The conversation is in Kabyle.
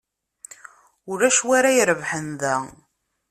Ulac wi ara irebḥen da.